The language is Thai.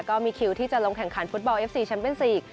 ก็มีคิวที่จะลงแข่งขันฟุตบอลเอฟซีแชมปินซีก